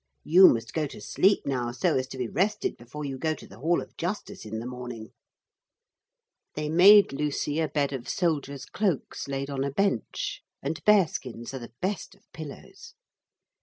'You must go to sleep now, so as to be rested before you go to the Hall of Justice in the morning.' They made Lucy a bed of soldiers' cloaks laid on a bench; and bearskins are the best of pillows.